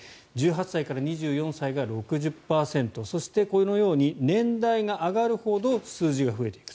１８歳から２４歳が６０％そしてこのように年代が上がるほど数字が増えていく。